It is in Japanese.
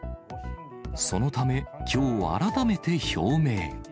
そのため、きょう改めて表明。